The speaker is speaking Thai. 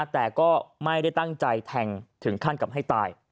แต่ก็ไม่ได้ตั้งใจแทงถึงขั้นกับให้ตาย